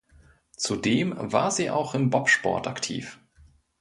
Zudem war sie auch im Bobsport aktiv.